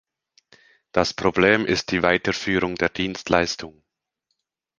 Das Problem ist die Weiterführung der Dienstleistung.